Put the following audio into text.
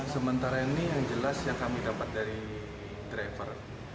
sementara ini yang jelas yang kami dapat dari driver